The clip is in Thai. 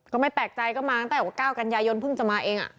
ก็ไม่แตกใจก็มางแต่ว่าก้าวกัญญายนเพิ่งจะมาเองอะ